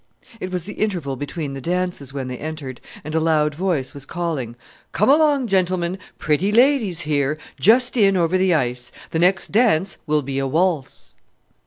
It was the interval between the dances when they entered, and a loud voice was calling: "Come along, gentlemen, pretty ladies here! just in over the ice. The next dance will be a waltz."